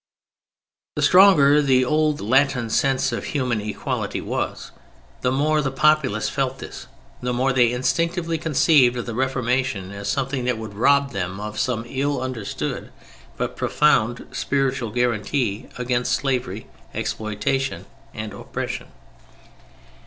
The stronger the old Latin sense of human equality was, the more the populace felt this, the more they instinctively conceived of the Reformation as something that would rob them of some ill understood but profound spiritual guarantee against slavery, exploitation and oppression.